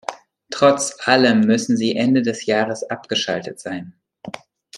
Trotz allem müssen sie Ende des Jahres abgeschaltet sein.